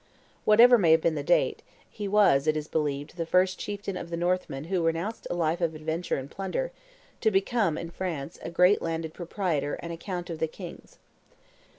Whatever may have been the date, he was, it is believed, the first chieftain of the Northmen who renounced a life of adventure and plunder, to become, in France, a great landed proprietor and a count of the king's.